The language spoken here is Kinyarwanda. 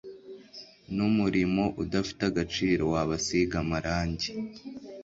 n'umurimo udafite agaciro w'abasiga amarangi